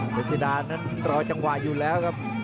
เป็นสีดานั้นรอจังหวะอยู่แล้วครับ